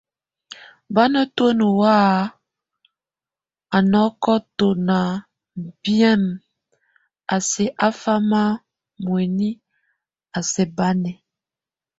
Bá netuen ohɔ a nɔ́kɔ tona mbièm, a si á fam muény a sɛ bánɛ!